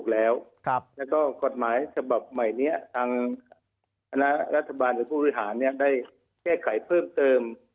แล้วก็กฎหมายฉบับใหม่นี้ทางคณะรัฐบาลหรือผู้บริหารได้แก้ไขเพิ่มเติม